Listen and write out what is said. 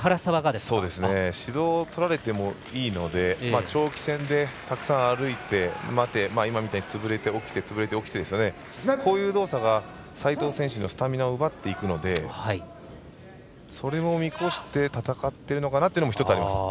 指導をとられてもいいので長期戦で、たくさん歩いて潰れて起きてというこういう動作が斉藤選手のスタミナを奪っていくのでそれも見越して戦っているのかなというのも１つあります。